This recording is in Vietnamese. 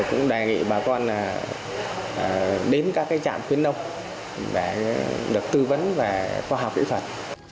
cũng đề nghị bà con đến các trạm khuyến nông để được tư vấn về khoa học kỹ thuật